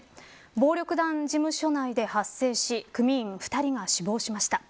暴力団事務所内で発生し組員２人が死亡しました。